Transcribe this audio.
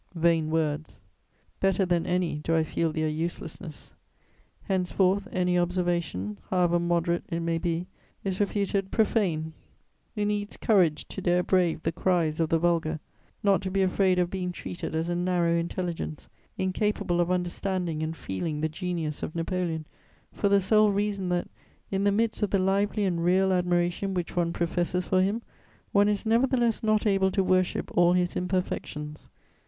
* Vain words! Better than any do I feel their uselessness. Henceforth any observation, however moderate it may be, is reputed profane: it needs courage to dare brave the cries of the vulgar, not to be afraid of being treated as a narrow intelligence, incapable of understanding and feeling the genius of Napoleon, for the sole reason that, in the midst of the lively and real admiration which one professes for him, one is nevertheless not able to worship all his imperfections.